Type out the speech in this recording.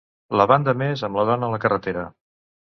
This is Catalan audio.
La banda més amb la dona a la carretera.